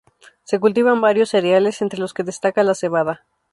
Se cultivan varios cereales, entre los que destaca la cebada.